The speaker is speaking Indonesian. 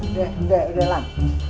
udah udah udah lam